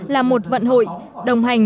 là một vận hội đồng hành